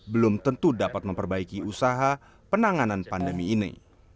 belum tentu dapat memperbaiki usaha penanganan pandemi ini